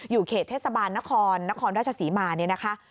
เขตเทศบาลนครนครราชศรีมาเนี่ยนะคะ